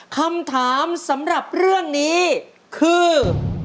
คำถามสำหรับเรื่องนี้คือ